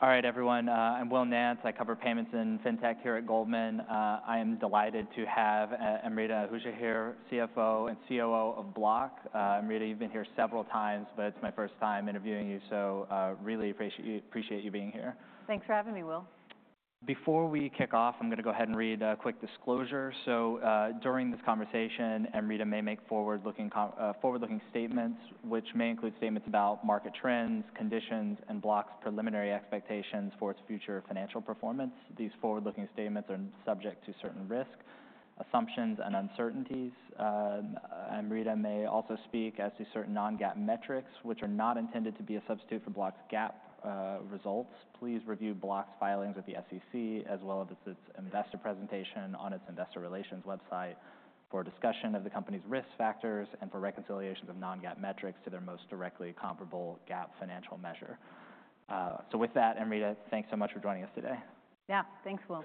All right, everyone. I'm Will Nance. I cover payments and fintech here at Goldman. I am delighted to have Amrita Ahuja here, CFO and COO of Block. Amrita, you've been here several times, but it's my first time interviewing you, so really appreciate you being here. Thanks for having me, Will. Before we kick off, I'm gonna go ahead and read a quick disclosure. So, during this conversation, Amrita may make forward-looking statements, which may include statements about market trends, conditions, and Block's preliminary expectations for its future financial performance. These forward-looking statements are subject to certain risk, assumptions, and uncertainties. Amrita may also speak as to certain non-GAAP metrics, which are not intended to be a substitute for Block's GAAP results. Please review Block's filings with the SEC, as well as its investor presentation on its investor relations website for a discussion of the company's risk factors and for reconciliations of non-GAAP metrics to their most directly comparable GAAP financial measure. So with that, Amrita, thanks so much for joining us today. Yeah. Thanks, Will.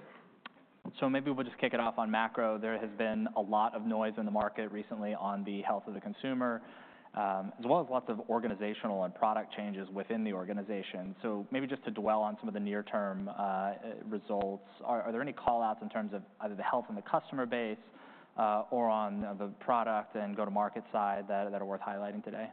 So maybe we'll just kick it off on macro. There has been a lot of noise in the market recently on the health of the consumer, as well as lots of organizational and product changes within the organization. So maybe just to dwell on some of the near-term results, are there any call-outs in terms of either the health in the customer base, or on the product and go-to-market side that are worth highlighting today?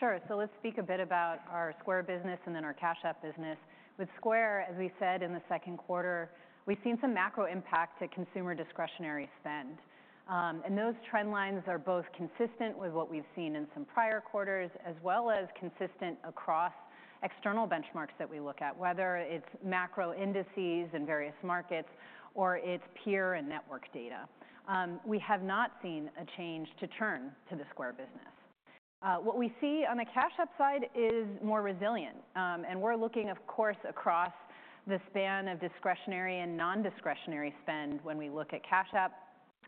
Sure. So let's speak a bit about our Square business and then our Cash App business. With Square, as we said in the second quarter, we've seen some macro impact to consumer discretionary spend, and those trend lines are both consistent with what we've seen in some prior quarters, as well as consistent across external benchmarks that we look at, whether it's macro indices in various markets or it's peer and network data. We have not seen a change to turn to the Square business. What we see on the Cash App side is more resilient, and we're looking, of course, across the span of discretionary and non-discretionary spend when we look at Cash App,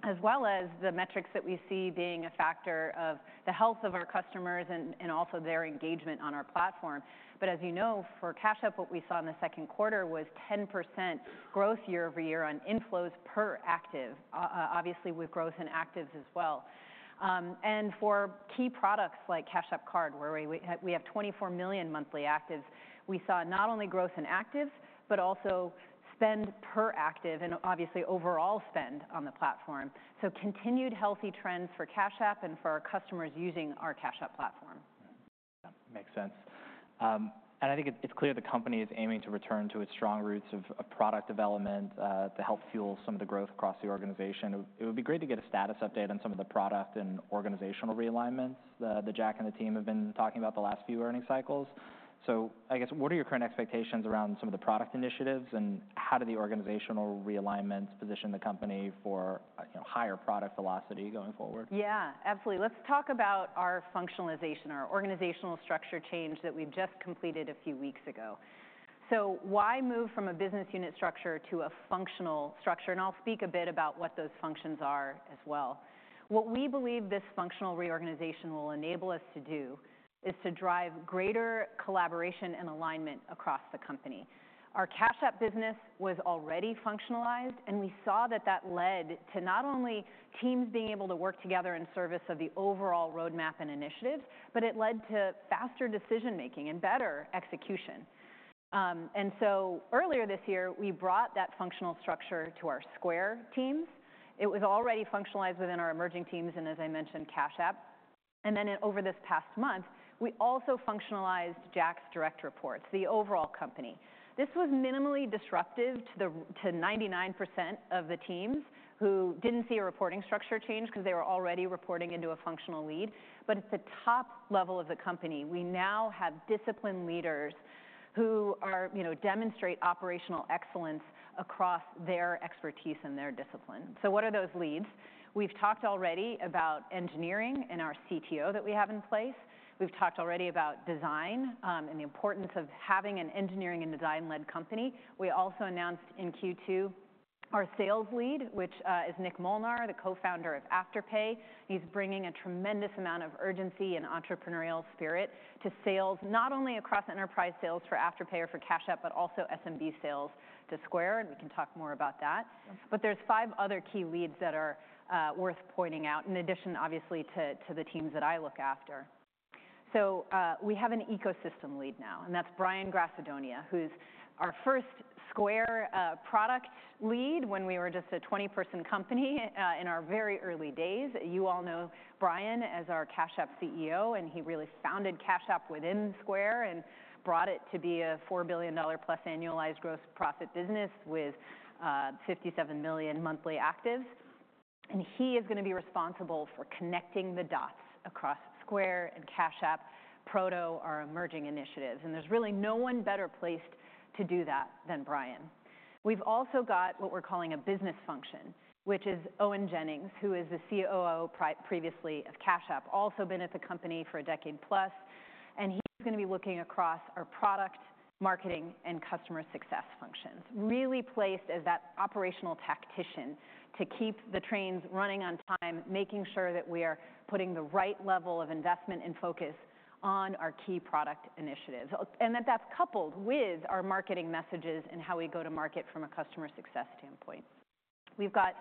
as well as the metrics that we see being a factor of the health of our customers and also their engagement on our platform. But as you know, for Cash App, what we saw in the second quarter was 10% growth year-over-year on inflows per active, obviously, with growth in actives as well, and for key products like Cash App Card, where we have 24 million monthly actives, we saw not only growth in actives, but also spend per active and obviously overall spend on the platform, so continued healthy trends for Cash App and for our customers using our Cash App platform. Yeah, makes sense. And I think it's clear the company is aiming to return to its strong roots of product development to help fuel some of the growth across the organization. It would be great to get a status update on some of the product and organizational realignments that Jack and the team have been talking about the last few earnings cycles. So I guess, what are your current expectations around some of the product initiatives, and how do the organizational realignments position the company for, you know, higher product velocity going forward? Yeah, absolutely. Let's talk about our functionalization, our organizational structure change that we've just completed a few weeks ago. So why move from a business unit structure to a functional structure? And I'll speak a bit about what those functions are as well. What we believe this functional reorganization will enable us to do is to drive greater collaboration and alignment across the company. Our Cash App business was already functionalized, and we saw that that led to not only teams being able to work together in service of the overall roadmap and initiatives, but it led to faster decision-making and better execution. And so earlier this year, we brought that functional structure to our Square teams. It was already functionalized within our emerging teams, and as I mentioned, Cash App. And then over this past month, we also functionalized Jack's direct reports, the overall company. This was minimally disruptive to 99% of the teams who didn't see a reporting structure change because they were already reporting into a functional lead. But at the top level of the company, we now have disciplined leaders who are, you know, demonstrate operational excellence across their expertise and their discipline. So what are those leads? We've talked already about engineering and our CTO that we have in place. We've talked already about design and the importance of having an engineering and design-led company. We also announced in Q2 our sales lead, which is Nick Molnar, the co-founder of Afterpay. He's bringing a tremendous amount of urgency and entrepreneurial spirit to sales, not only across enterprise sales for Afterpay or for Cash App, but also SMB sales to Square, and we can talk more about that. Yeah. But there are five other key leads that are worth pointing out, in addition, obviously, to the teams that I look after. So, we have an ecosystem lead now, and that's Brian Grassadonia, who's our first Square product lead when we were just a 20-person company in our very early days. You all know Brian as our Cash App CEO, and he really founded Cash App within Square and brought it to be a $4 billion-plus annualized gross profit business with 57 million monthly actives. And he is gonna be responsible for connecting the dots across Square and Cash App, Proto, our emerging initiatives, and there's really no one better placed to do that than Brian. We've also got what we're calling a business function, which is Owen Jennings, who is the COO previously of Cash App, also been at the company for a decade plus, and he's gonna be looking across our product, marketing, and customer success functions. Really placed as that operational tactician to keep the trains running on time, making sure that we are putting the right level of investment and focus on our key product initiatives, and that's coupled with our marketing messages and how we go to market from a customer success standpoint.... We've got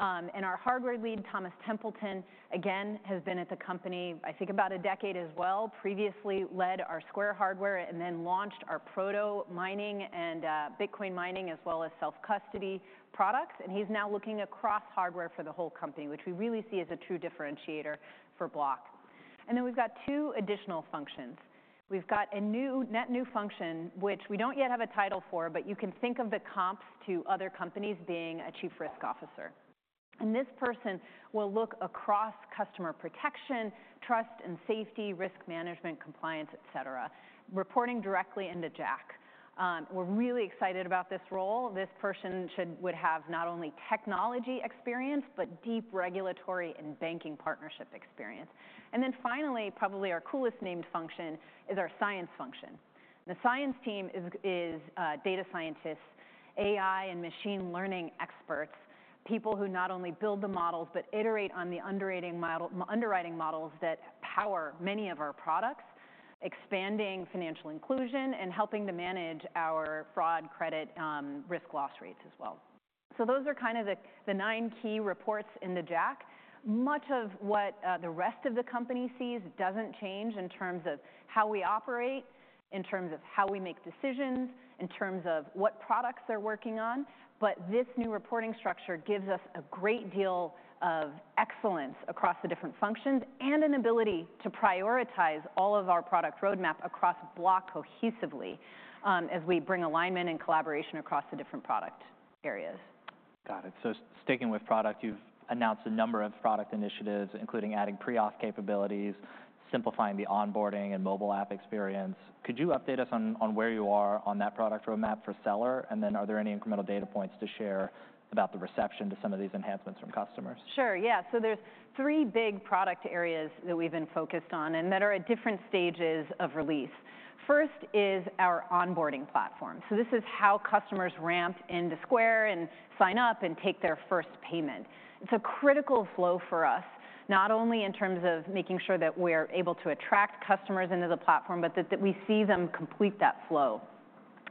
our hardware lead, Thomas Templeton, again, has been at the company, I think, about a decade as well. Previously led our Square hardware, and then launched our Proto mining and Bitcoin mining, as well as self-custody products, and he's now looking across hardware for the whole company, which we really see as a true differentiator for Block. And then we've got two additional functions. We've got a new, net new function, which we don't yet have a title for, but you can think of the comps to other companies being a chief risk officer, and this person will look across customer protection, trust and safety, risk management, compliance, et cetera, reporting directly into Jack. We're really excited about this role. This person would have not only technology experience but deep regulatory and banking partnership experience. And then finally, probably our coolest named function is our science function. The science team is data scientists, AI, and machine learning experts, people who not only build the models but iterate on the underwriting model, underwriting models that power many of our products, expanding financial inclusion, and helping to manage our fraud, credit, risk loss rates as well. So those are kind of the nine key reports into Jack. Much of what the rest of the company sees doesn't change in terms of how we operate, in terms of how we make decisions, in terms of what products they're working on, but this new reporting structure gives us a great deal of excellence across the different functions, and an ability to prioritize all of our product roadmap across Block cohesively, as we bring alignment and collaboration across the different product areas. Got it. So sticking with product, you've announced a number of product initiatives, including adding pre-auth capabilities, simplifying the onboarding and mobile app experience. Could you update us on where you are on that product roadmap for seller? And then, are there any incremental data points to share about the reception to some of these enhancements from customers? Sure. Yeah. So there's three big product areas that we've been focused on and that are at different stages of release. First is our onboarding platform, so this is how customers ramp into Square, and sign up, and take their first payment. It's a critical flow for us, not only in terms of making sure that we're able to attract customers into the platform, but that we see them complete that flow.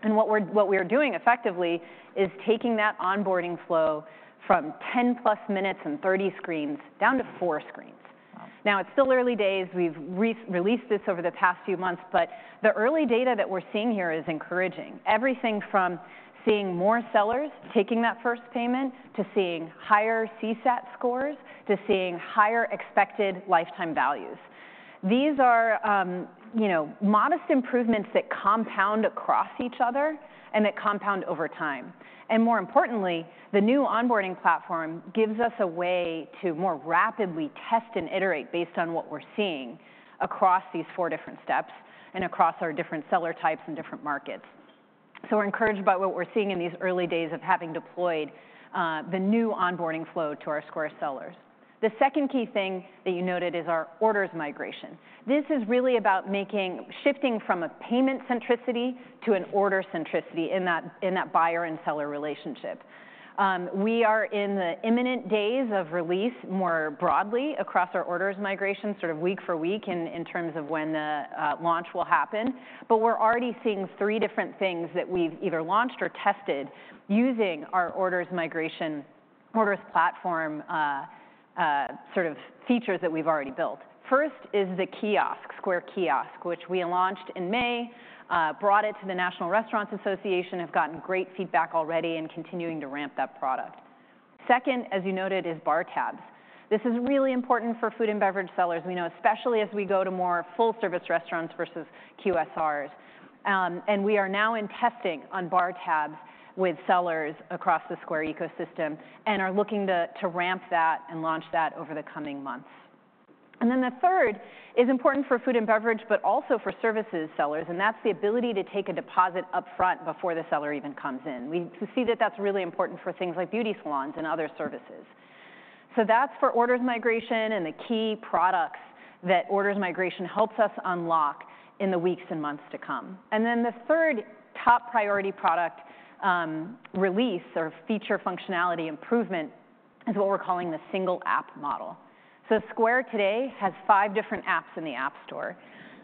And what we are doing effectively is taking that onboarding flow from 10+ minutes and 30 screens down to 4 screens. Now, it's still early days. We've re-released this over the past few months, but the early data that we're seeing here is encouraging. Everything from seeing more sellers taking that first payment, to seeing higher CSAT scores, to seeing higher expected lifetime values. These are, you know, modest improvements that compound across each other and that compound over time. And more importantly, the new onboarding platform gives us a way to more rapidly test and iterate based on what we're seeing across these four different steps and across our different seller types and different markets. So we're encouraged by what we're seeing in these early days of having deployed the new onboarding flow to our Square sellers. The second key thing that you noted is our orders migration. This is really about making... Shifting from a payment centricity to an order centricity in that, in that buyer and seller relationship. We are in the imminent days of release more broadly across our orders migration, sort of week for week, in, in terms of when the launch will happen. But we're already seeing three different things that we've either launched or tested using our orders migration, orders platform, sort of features that we've already built. First is the kiosk, Square Kiosk, which we launched in May, brought it to the National Restaurant Association, have gotten great feedback already and continuing to ramp that product. Second, as you noted, is Bar Tabs. This is really important for food and beverage sellers, we know, especially as we go to more full-service restaurants versus QSRs. And we are now in testing on Bar Tabs with sellers across the Square ecosystem and are looking to ramp that and launch that over the coming months. And then, the third is important for food and beverage, but also for services sellers, and that's the ability to take a deposit upfront before the seller even comes in. We see that that's really important for things like beauty salons and other services. So that's for orders migration and the key products that orders migration helps us unlock in the weeks and months to come. And then, the third top priority product, release or feature functionality improvement is what we're calling the Single App Model. So Square today has five different apps in the App Store.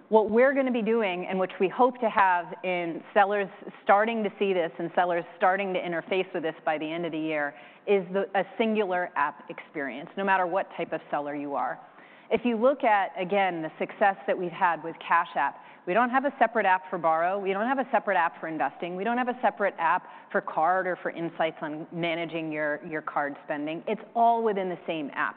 What we're gonna be doing, and which we hope to have in sellers starting to see this and sellers starting to interface with this by the end of the year, is a singular app experience, no matter what type of seller you are. If you look at, again, the success that we've had with Cash App, we don't have a separate app for Borrow, we don't have a separate app for investing, we don't have a separate app for Card or for insights on managing your card spending. It's all within the same app,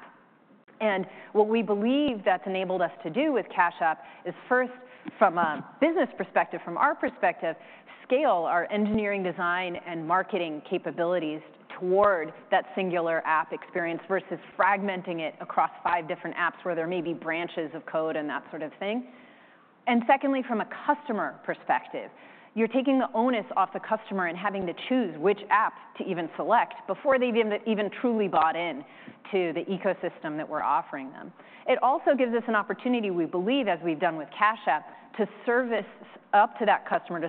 and what we believe that's enabled us to do with Cash App is, first, from a business perspective, from our perspective, scale our engineering, design, and marketing capabilities toward that singular app experience versus fragmenting it across five different apps, where there may be branches of code and that sort of thing. Secondly, from a customer perspective, you're taking the onus off the customer and having to choose which app to even select before they've even truly bought in to the ecosystem that we're offering them. It also gives us an opportunity, we believe, as we've done with Cash App, to serve up to that customer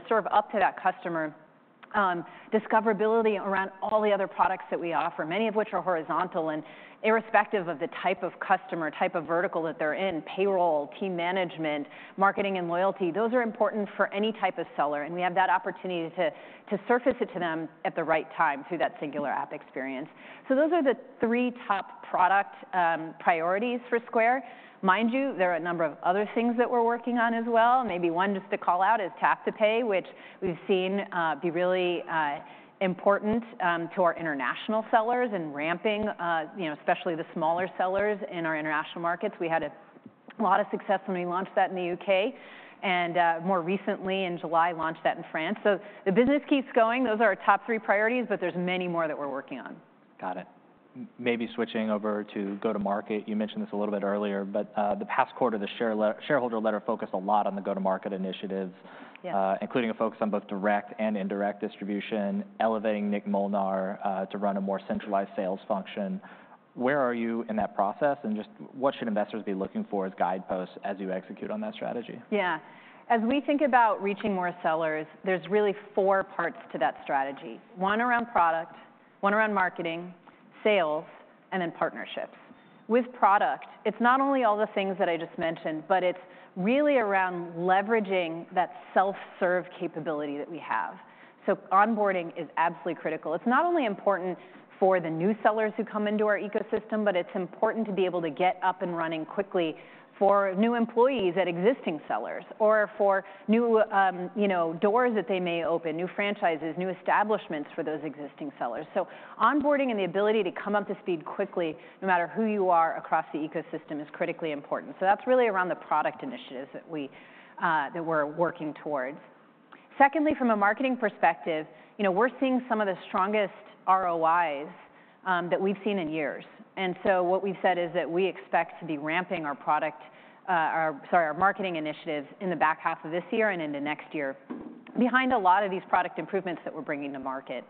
discoverability around all the other products that we offer, many of which are horizontal, and irrespective of the type of customer, type of vertical that they're in, payroll, team management, marketing, and loyalty. Those are important for any type of seller, and we have that opportunity to surface it to them at the right time through that singular app experience. Those are the three top product priorities for Square. Mind you, there are a number of other things that we're working on as well. Maybe one just to call out is Tap to Pay, which we've seen be really important to our international sellers in ramping you know especially the smaller sellers in our international markets. We had a lot of success when we launched that in the U.K., and more recently in July, launched that in France. So the business keeps going. Those are our top three priorities, but there's many more that we're working on. Got it. Maybe switching over to go-to-market, you mentioned this a little bit earlier, but, the past quarter, the shareholder letter focused a lot on the go-to-market initiatives- Yeah. ... including a focus on both direct and indirect distribution, elevating Nick Molnar to run a more centralized sales function. Where are you in that process, and just what should investors be looking for as guideposts as you execute on that strategy? Yeah. As we think about reaching more sellers, there's really four parts to that strategy: one around product, one around marketing, sales, and then partnerships. With product, it's not only all the things that I just mentioned, but it's really around leveraging that self-serve capability that we have, so onboarding is absolutely critical. It's not only important for the new sellers who come into our ecosystem, but it's important to be able to get up and running quickly for new employees at existing sellers or for new, you know, doors that they may open, new franchises, new establishments for those existing sellers. So onboarding and the ability to come up to speed quickly, no matter who you are across the ecosystem, is critically important, so that's really around the product initiatives that we're working towards. Secondly, from a marketing perspective, you know, we're seeing some of the strongest ROIs that we've seen in years, and so what we've said is that we expect to be ramping our marketing initiatives in the back half of this year and into next year behind a lot of these product improvements that we're bringing to market.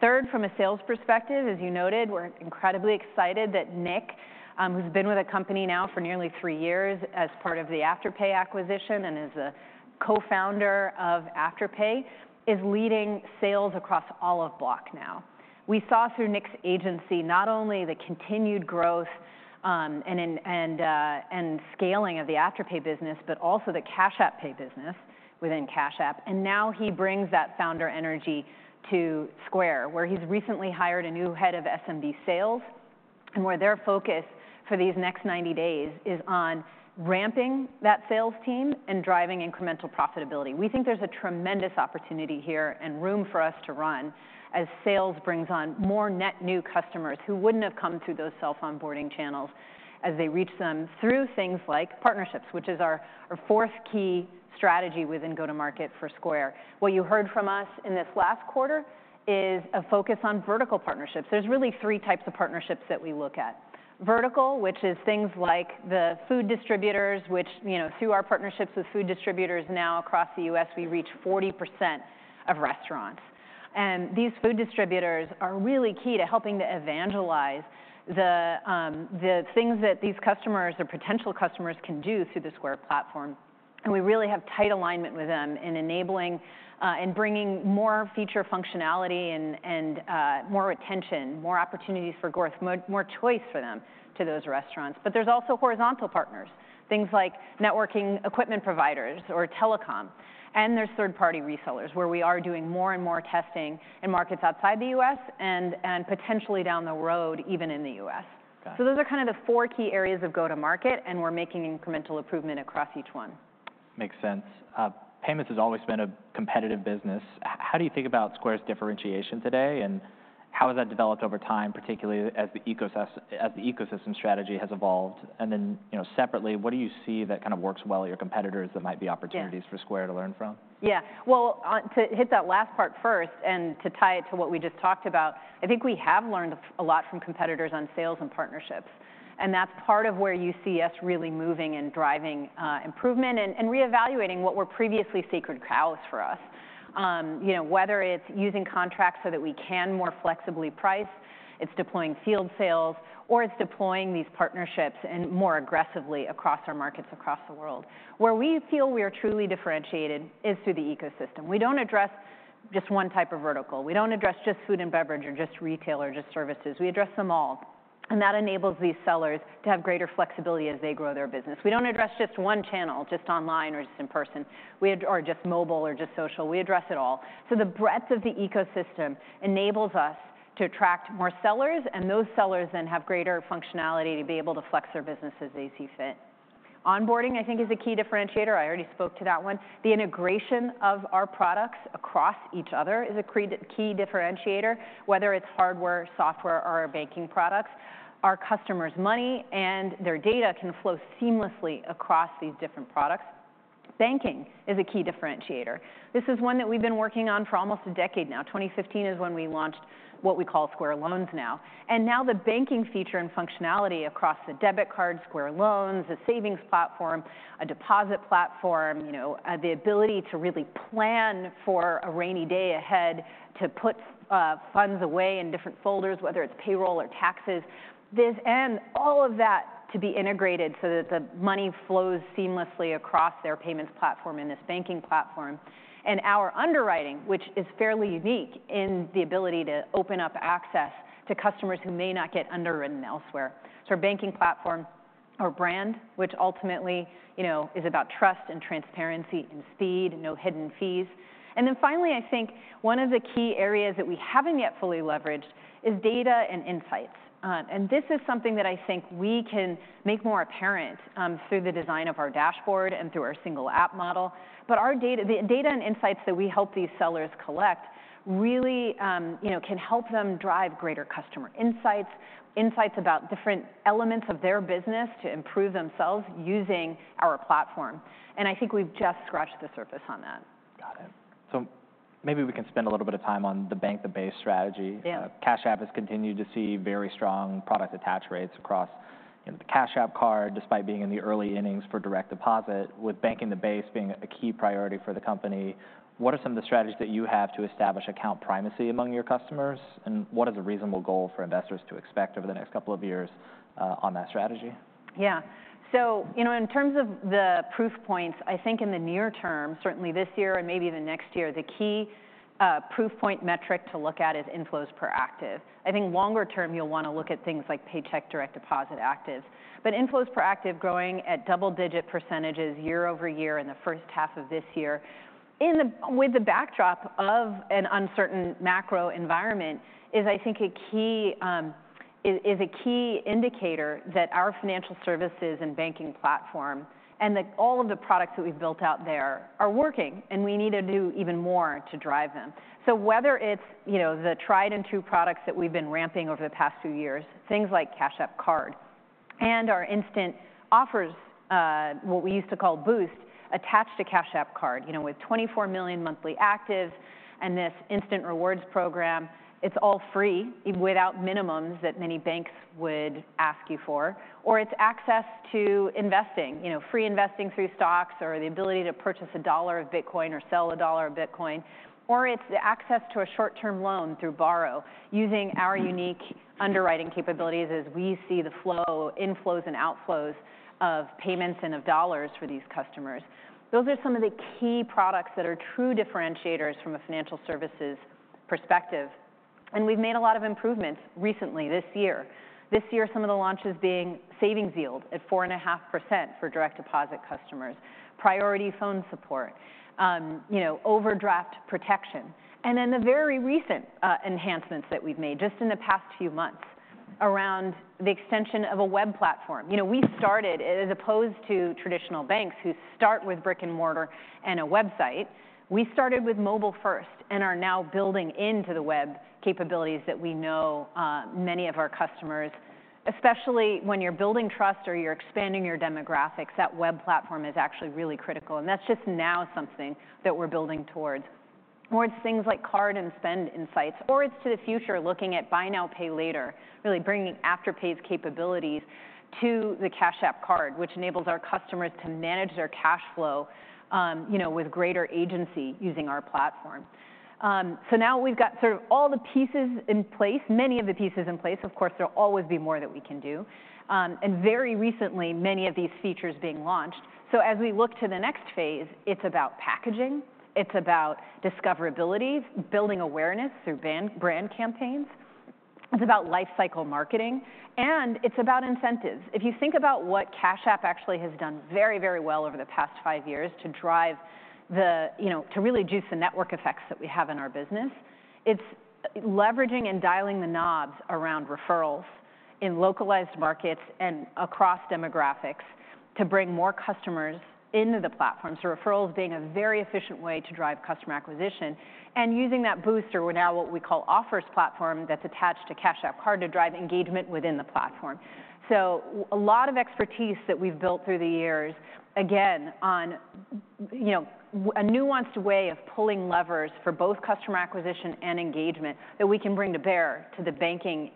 Third, from a sales perspective, as you noted, we're incredibly excited that Nick, who's been with the company now for nearly three years as part of the Afterpay acquisition and is a co-founder of Afterpay, is leading sales across all of Block now. We saw through Nick's agency, not only the continued growth and scaling of the Afterpay business, but also the Cash App Pay business within Cash App, and now he brings that founder energy to Square, where he's recently hired a new head of SMB sales, and where their focus for these next 90 days is on ramping that sales team and driving incremental profitability. We think there's a tremendous opportunity here and room for us to run as sales brings on more net-new customers who wouldn't have come through those self-onboarding channels as they reach them through things like partnerships, which is our fourth key strategy within go-to-market for Square. What you heard from us in this last quarter is a focus on vertical partnerships. There's really three types of partnerships that we look at. Vertical, which is things like the food distributors, which, you know, through our partnerships with food distributors now across the U.S., we reach 40% of restaurants, and these food distributors are really key to helping to evangelize the, the things that these customers or potential customers can do through the Square platform, and we really have tight alignment with them in enabling and bringing more feature functionality and more retention, more opportunities for growth, more choice for them to those restaurants. But there's also horizontal partners, things like networking equipment providers or telecom, and there's third-party resellers, where we are doing more and more testing in markets outside the U.S. and potentially down the road, even in the U.S. Got it. So those are kind of the four key areas of go-to-market, and we're making incremental improvement across each one. Makes sense. Payments has always been a competitive business. How do you think about Square's differentiation today, and how has that developed over time, particularly as the ecosystem strategy has evolved? And then, you know, separately, what do you see that kind of works well at your competitors that might be opportunities- Yeah.... for Square to learn from? Yeah. Well, on to hit that last part first, and to tie it to what we just talked about, I think we have learned a lot from competitors on sales and partnerships, and that's part of where you see us really moving and driving improvement and reevaluating what were previously sacred cows for us. You know, whether it's using contracts so that we can more flexibly price, it's deploying field sales, or it's deploying these partnerships and more aggressively across our markets across the world. Where we feel we are truly differentiated is through the ecosystem. We don't address just one type of vertical. We don't address just food and beverage or just retail or just services. We address them all, and that enables these sellers to have greater flexibility as they grow their business. We don't address just one channel, just online or just in person, or just mobile or just social, we address it all. So the breadth of the ecosystem enables us to attract more sellers, and those sellers then have greater functionality to be able to flex their business as they see fit. Onboarding, I think, is a key differentiator. I already spoke to that one. The integration of our products across each other is a key differentiator, whether it's hardware, software, or our banking products. Our customers' money and their data can flow seamlessly across these different products. Banking is a key differentiator. This is one that we've been working on for almost a decade now. 2015 is when we launched what we call Square Loans now, and now the banking feature and functionality across the debit card, Square Loans, the savings platform, a deposit platform, you know, the ability to really plan for a rainy day ahead, to put funds away in different folders, whether it's payroll or taxes, this and all of that to be integrated so that the money flows seamlessly across their payments platform and this banking platform, and our underwriting, which is fairly unique in the ability to open up access to customers who may not get underwritten elsewhere, so our banking platform or brand, which ultimately, you know, is about trust and transparency and speed, no hidden fees, and then finally, I think one of the key areas that we haven't yet fully leveraged is data and insights. And this is something that I think we can make more apparent, through the design of our dashboard and through our Single App Model. But our data, the data and insights that we help these sellers collect really, you know, can help them drive greater customer insights, insights about different elements of their business to improve themselves using our platform, and I think we've just scratched the surface on that. Got it. So maybe we can spend a little bit of time on the Bank the Base strategy. Yeah. Cash App has continued to see very strong product attach rates across, you know, the Cash App Card, despite being in the early innings for direct deposit, with Bank the Base being a key priority for the company. What are some of the strategies that you have to establish account primacy among your customers, and what is a reasonable goal for investors to expect over the next couple of years on that strategy? Yeah. So, you know, in terms of the proof points, I think in the near term, certainly this year and maybe even next year, the key proof point metric to look at is inflows per active. I think longer term, you'll wanna look at things like paycheck direct deposit actives. But inflows per active, growing at double-digit percentages year-over-year in the first half of this year, with the backdrop of an uncertain macro environment, is I think a key indicator that our financial services and banking platform, and that all of the products that we've built out there are working, and we need to do even more to drive them. So whether it's, you know, the tried-and-true products that we've been ramping over the past few years, things like Cash App Card and our instant offers, what we used to call Boost, attached to Cash App Card, you know, with twenty-four million monthly actives and this instant rewards program, it's all free, without minimums that many banks would ask you for, or it's access to investing. You know, free investing through stocks, or the ability to purchase a dollar of Bitcoin or sell a dollar of Bitcoin, or it's the access to a short-term loan through Borrow, using our unique underwriting capabilities as we see the flow, inflows and outflows of payments and of dollars for these customers. Those are some of the key products that are true differentiators from a financial services perspective, and we've made a lot of improvements recently this year. This year, some of the launches being savings yield at 4.5% for direct deposit customers, priority phone support, you know, overdraft protection, and then the very recent enhancements that we've made just in the past few months around the extension of a web platform. You know, we started as opposed to traditional banks, who start with brick-and-mortar and a website, we started with mobile first and are now building into the web capabilities that we know, many of our customers. Especially when you're building trust or you're expanding your demographics, that web platform is actually really critical, and that's just now something that we're building towards. Or it's things like card and spend insights, or it's to the future, looking at buy now, pay later. Really bringing Afterpay's capabilities to the Cash App Card, which enables our customers to manage their cash flow, you know, with greater agency, using our platform. So now we've got sort of all the pieces in place, many of the pieces in place. Of course, there'll always be more that we can do, and very recently, many of these features being launched. So as we look to the next phase, it's about packaging, it's about discoverability, building awareness through brand campaigns, it's about lifecycle marketing, and it's about incentives. If you think about what Cash App actually has done very, very well over the past five years to drive the... you know, to really juice the network effects that we have in our business, it's leveraging and dialing the knobs around referrals in localized markets and across demographics to bring more customers into the platform. So referrals being a very efficient way to drive customer acquisition, and using that booster, or now what we call Offers platform, that's attached to Cash App Card to drive engagement within the platform. So a lot of expertise that we've built through the years, again, on, you know, a nuanced way of pulling levers for both customer acquisition and engagement that we can bring to bear to the banking,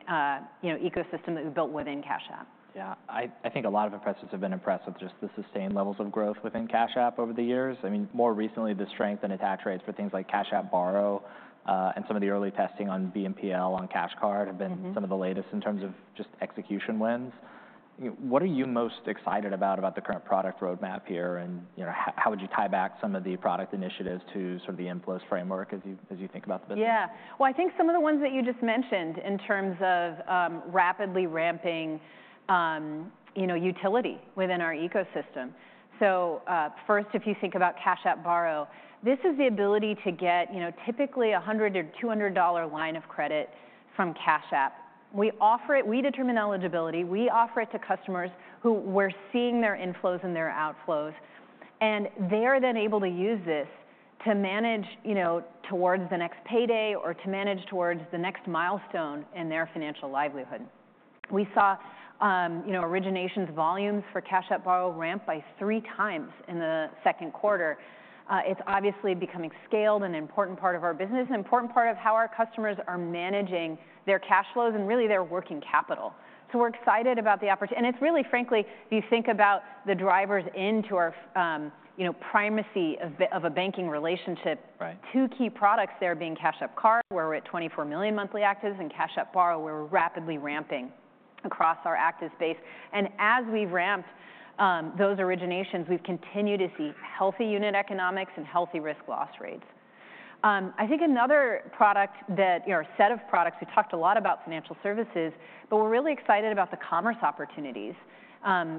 you know, ecosystem that we built within Cash App. Yeah. I think a lot of investors have been impressed with just the sustained levels of growth within Cash App over the years. I mean, more recently, the strength in attach rates for things like Cash App Borrow, and some of the early testing on BNPL, on Cash App Card- Mm-hmm.... have been some of the latest in terms of just execution lens. You, what are you most excited about the current product roadmap here? And, you know, how would you tie back some of the product initiatives to sort of the inflows framework as you think about the business? Yeah. Well, I think some of the ones that you just mentioned in terms of rapidly ramping, you know, utility within our ecosystem. So, first, if you think about Cash App Borrow, this is the ability to get, you know, typically $100 or $200 line of credit from Cash App. We determine eligibility, we offer it to customers who we're seeing their inflows and their outflows, and they are then able to use this to manage, you know, towards the next payday or to manage towards the next milestone in their financial livelihood. We saw, you know, originations volumes for Cash App Borrow ramp by three times in the second quarter. It's obviously becoming scaled, an important part of our business, an important part of how our customers are managing their cash flows and really their working capital. We're excited about the opportunity. It's really, frankly, if you think about the drivers into our, you know, primacy of a banking relationship- Right.... two key products there being Cash App Card, where we're at 24 million monthly actives, and Cash App Borrow, where we're rapidly ramping across our active base. And as we've ramped, those originations, we've continued to see healthy unit economics and healthy risk loss rates. I think another product that, you know, or set of products, we talked a lot about financial services, but we're really excited about the commerce opportunities,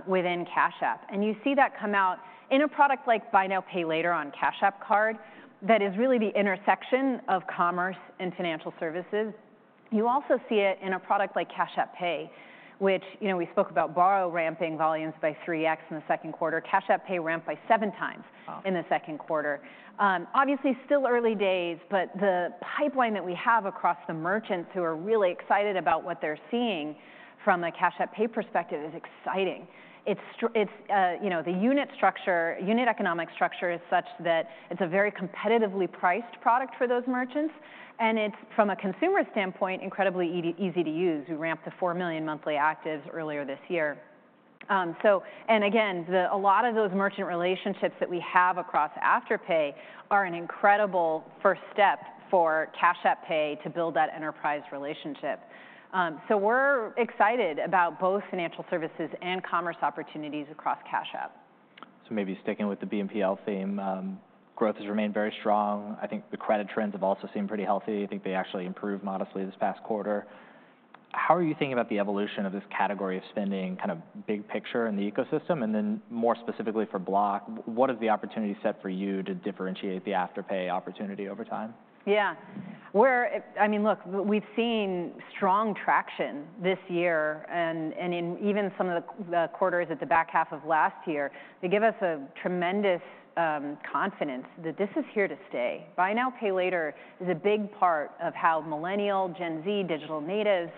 within Cash App. And you see that come out in a product like buy now, pay later on Cash App Card, that is really the intersection of commerce and financial services. You also see it in a product like Cash App Pay, which, you know, we spoke about Borrow ramping volumes by 3x in the second quarter. Cash App Pay ramped by 7 times- Wow! in the second quarter. Obviously, still early days, but the pipeline that we have across the merchants who are really excited about what they're seeing from a Cash App Pay perspective is exciting. It's, you know, the unit structure, unit economic structure is such that it's a very competitively priced product for those merchants, and it's, from a consumer standpoint, incredibly easy to use. We ramped to four million monthly actives earlier this year. So, and again, a lot of those merchant relationships that we have across Afterpay are an incredible first step for Cash App Pay to build that enterprise relationship. So we're excited about both financial services and commerce opportunities across Cash App. Maybe sticking with the BNPL theme, growth has remained very strong. I think the credit trends have also seemed pretty healthy. I think they actually improved modestly this past quarter. How are you thinking about the evolution of this category of spending, kind of big picture in the ecosystem, and then more specifically for Block, what is the opportunity set for you to differentiate the Afterpay opportunity over time? Yeah. We're I mean, look, we've seen strong traction this year, and in even some of the quarters at the back half of last year, they give us a tremendous confidence that this is here to stay. Buy now, pay later is a big part of how Millennial, Gen Z, digital natives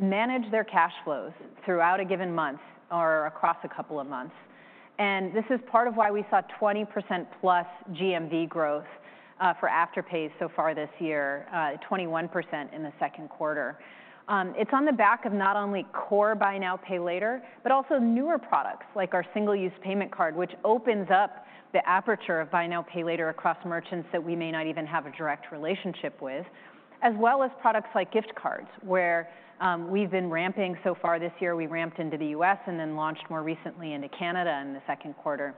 manage their cash flows throughout a given month or across a couple of months, and this is part of why we saw 20% plus GMV growth for Afterpay so far this year, 21% in the second quarter. It's on the back of not only core buy now, pay later, but also newer products, like our single-use payment card, which opens up the aperture of buy now, pay later across merchants that we may not even have a direct relationship with, as well as products like gift cards, where we've been ramping so far this year. We ramped into the U.S. and then launched more recently into Canada in the second quarter.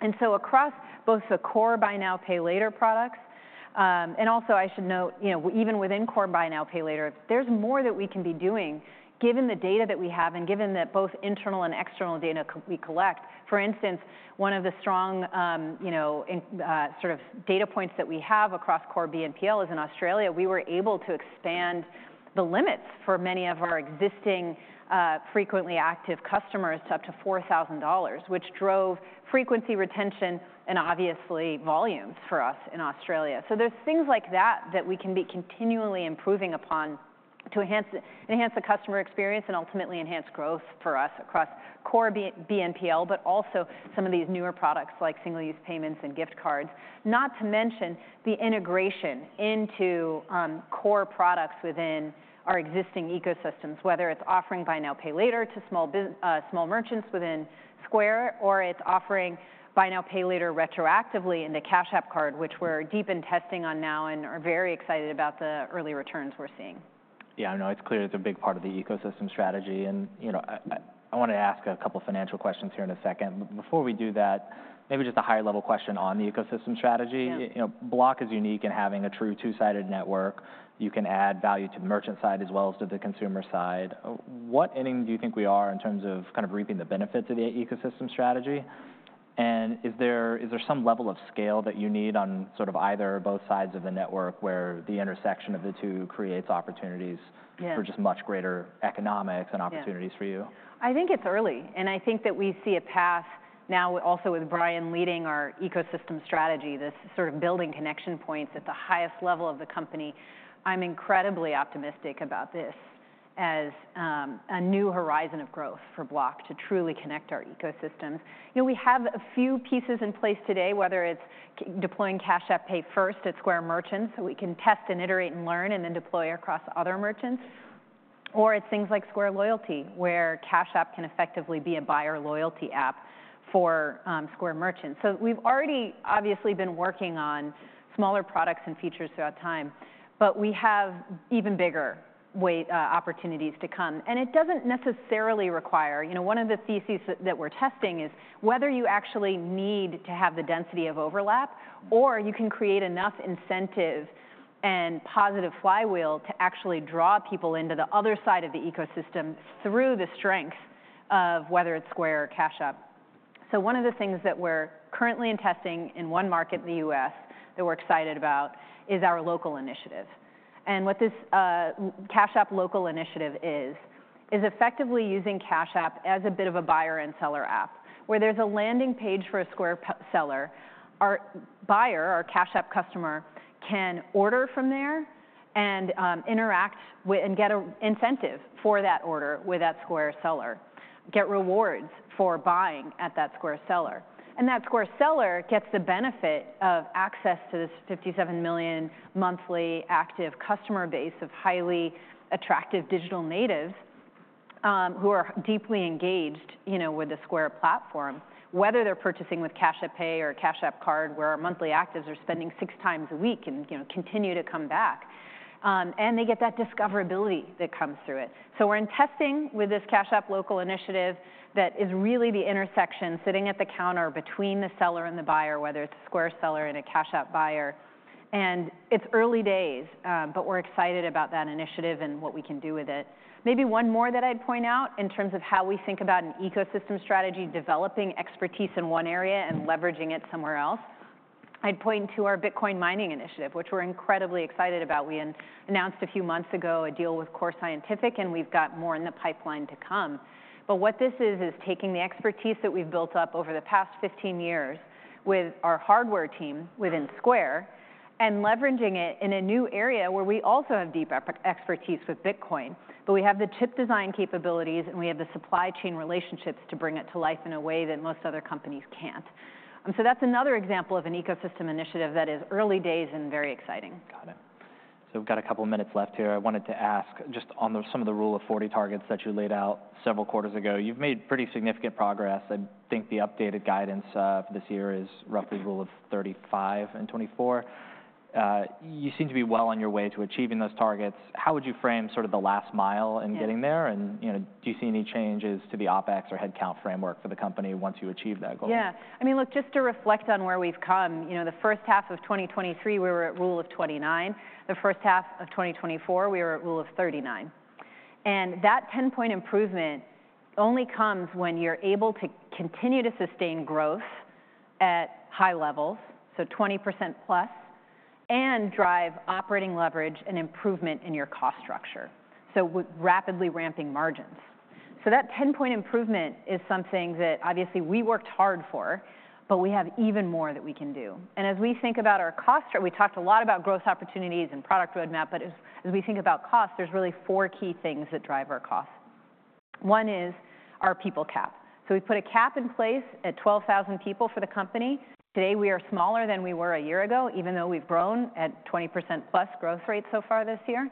And so across both the core buy now, pay later products, and also I should note, you know, even within core buy now, pay later, there's more that we can be doing given the data that we have and given that both internal and external data we collect. For instance, one of the strong, you know, in, sort of data points that we have across core BNPL is in Australia. We were able to expand the limits for many of our existing, frequently active customers to up to $4,000, which drove frequency, retention, and obviously, volumes for us in Australia. So there's things like that that we can be continually improving upon to enhance the customer experience and ultimately enhance growth for us across core BNPL, but also some of these newer products, like single-use payments and gift cards. Not to mention the integration into core products within our existing ecosystems, whether it's offering buy now, pay later to small merchants within Square, or it's offering buy now, pay later retroactively into Cash App Card, which we're deep in testing on now and are very excited about the early returns we're seeing. Yeah, I know. It's clear it's a big part of the ecosystem strategy, and, you know, I wanna ask a couple financial questions here in a second. But before we do that, maybe just a high-level question on the ecosystem strategy. Yeah. You know, Block is unique in having a true two-sided network. You can add value to the merchant side as well as to the consumer side. What inning do you think we are in terms of kind of reaping the benefits of the ecosystem strategy? And is there some level of scale that you need on sort of either or both sides of the network, where the intersection of the two creates opportunities- Yeah.... for just much greater economics and opportunities for you? Yeah. I think it's early, and I think that we see a path now, also with Brian leading our ecosystem strategy, this sort of building connection points at the highest level of the company. I'm incredibly optimistic about this as a new horizon of growth for Block to truly connect our ecosystems. You know, we have a few pieces in place today, whether it's deploying Cash App Pay first at Square merchants, so we can test and iterate and learn, and then deploy across other merchants. Or it's things like Square Loyalty, where Cash App can effectively be a buyer loyalty app for Square merchants. So we've already obviously been working on smaller products and features throughout time, but we have even bigger way opportunities to come, and it doesn't necessarily require... You know, one of the theses that we're testing is whether you actually need to have the density of overlap, or you can create enough incentive and positive flywheel to actually draw people into the other side of the ecosystem through the strength of whether it's Square or Cash App. So one of the things that we're currently testing in one market in the U.S. that we're excited about is our local initiative. And what this Cash App Local initiative is, is effectively using Cash App as a bit of a buyer and seller app, where there's a landing page for a Square seller. Our buyer or Cash App customer can order from there and interact and get a incentive for that order with that Square seller, get rewards for buying at that Square seller. And that Square seller gets the benefit of access to this fifty-seven million monthly active customer base of highly attractive digital natives, who are deeply engaged, you know, with the Square platform, whether they're purchasing with Cash App Pay or Cash App Card, where our monthly actives are spending six times a week and, you know, continue to come back, and they get that discoverability that comes through it. So we're in testing with this Cash App Local initiative that is really the intersection, sitting at the counter between the seller and the buyer, whether it's a Square seller and a Cash App buyer. And it's early days, but we're excited about that initiative and what we can do with it. Maybe one more that I'd point out in terms of how we think about an ecosystem strategy, developing expertise in one area and leveraging it somewhere else, I'd point to our Bitcoin mining initiative, which we're incredibly excited about. We announced a few months ago a deal with Core Scientific, and we've got more in the pipeline to come, but what this is is taking the expertise that we've built up over the past 15 years with our hardware team within Square, and leveraging it in a new area where we also have deep expertise with Bitcoin, but we have the chip design capabilities, and we have the supply chain relationships to bring it to life in a way that most other companies can't, so that's another example of an ecosystem initiative that is early days and very exciting. Got it. So we've got a couple minutes left here. I wanted to ask, just on the, some of the rule of 40 targets that you laid out several quarters ago, you've made pretty significant progress. I think the updated guidance for this year is roughly rule of 35 in 2024. You seem to be well on your way to achieving those targets. How would you frame sort of the last mile- Yeah.... in getting there? And, you know, do you see any changes to the OpEx or headcount framework for the company once you achieve that goal? Yeah. I mean, look, just to reflect on where we've come, you know, the first half of 2023, we were at Rule of 29. The first half of 2024, we were at Rule of 39, and that ten-point improvement only comes when you're able to continue to sustain growth at high levels, so 20% plus, and drive operating leverage and improvement in your cost structure, so rapidly ramping margins. So that ten-point improvement is something that obviously we worked hard for, but we have even more that we can do. As we think about our cost, we talked a lot about growth opportunities and product roadmap, but as we think about cost, there's really four key things that drive our cost. One is our people cap. So we've put a cap in place at 12,000 people for the company. Today, we are smaller than we were a year ago, even though we've grown at 20% plus growth rate so far this year,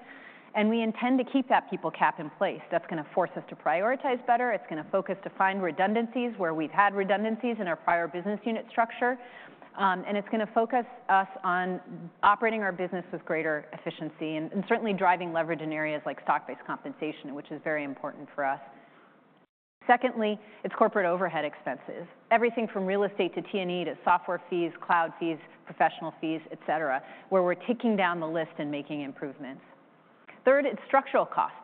and we intend to keep that people cap in place. That's gonna force us to prioritize better, it's gonna focus to find redundancies where we've had redundancies in our prior business unit structure, and it's gonna focus us on operating our business with greater efficiency and, and certainly driving leverage in areas like stock-based compensation, which is very important for us. Secondly, it's corporate overhead expenses. Everything from real estate to T&E, to software fees, cloud fees, professional fees, et cetera, where we're ticking down the list and making improvements. Third, it's structural costs.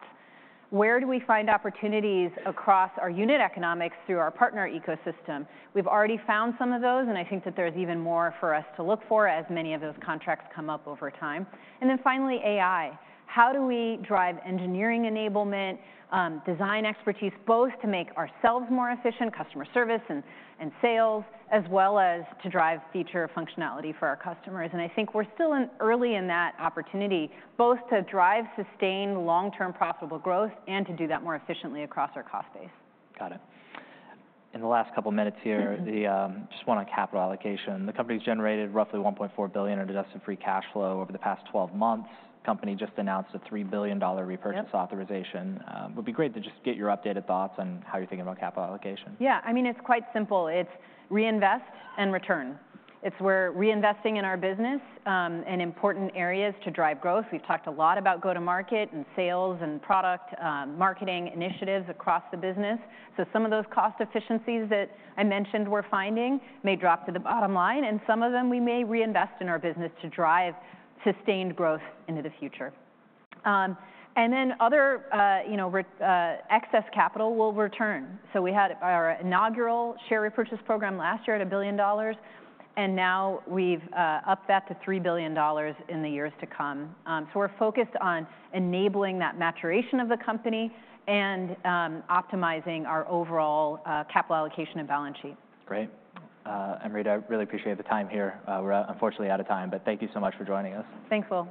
Where do we find opportunities across our unit economics through our partner ecosystem? We've already found some of those, and I think that there's even more for us to look for as many of those contracts come up over time. And then finally, AI. How do we drive engineering enablement, design expertise, both to make ourselves more efficient, customer service and sales, as well as to drive feature functionality for our customers? And I think we're still in early in that opportunity, both to drive sustained long-term profitable growth and to do that more efficiently across our cost base. Got it. In the last couple minutes here- Mm-hmm.... just one on capital allocation. The company's generated roughly $1.4 billion in adjusted free cash flow over the past 12 months. Company just announced a $3 billion repurchase- Yep.... authorization. It would be great to just get your updated thoughts on how you're thinking about capital allocation. Yeah. I mean, it's quite simple. It's reinvest and return. It's we're reinvesting in our business in important areas to drive growth. We've talked a lot about go-to-market and sales and product marketing initiatives across the business, so some of those cost efficiencies that I mentioned we're finding may drop to the bottom line, and some of them, we may reinvest in our business to drive sustained growth into the future, and then other, you know, excess capital will return, so we had our inaugural share repurchase program last year at $1 billion, and now we've upped that to $3 billion in the years to come, so we're focused on enabling that maturation of the company and optimizing our overall capital allocation and balance sheet. Great. Amrita, I really appreciate the time here. We're, unfortunately, out of time, but thank you so much for joining us. Thanks, Will.